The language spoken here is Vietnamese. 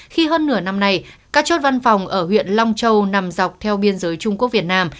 khi hơn nửa năm nay các chốt văn phòng ở huyện long châu nằm dọc theo biên giới trung quốc việt nam